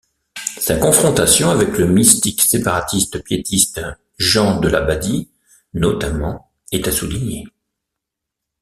Sa confrontation avec le mystique séparatiste piétiste Jean de Labadie, notamment, est à souligner.